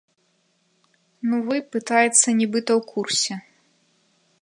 Ну, вы, пытаецца, нібыта ў курсе.